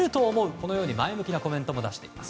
このように前向きなコメントも出しています。